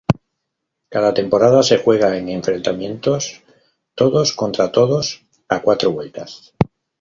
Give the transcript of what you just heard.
Cada temporada se juega en enfrentamientos todos contra todos a cuatro vueltas.